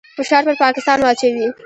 فشار پر پاکستان واچوي.